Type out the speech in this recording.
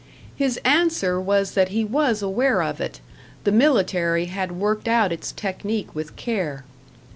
His answer was that he was aware of it, the military had worked out its technique with care.